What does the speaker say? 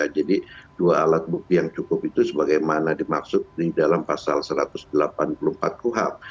jadi dua alat bukti yang cukup itu sebagaimana dimaksud di dalam pasal satu ratus delapan puluh empat kuhap